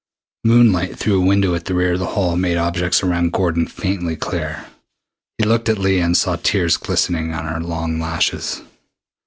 Moonlight through a window at the rear of the hall made objects around Gordon fairly clear. He looked at Leah and saw tears glistening on her long lashes.